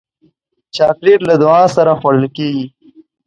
چاکلېټ له دعا سره خوړل کېږي.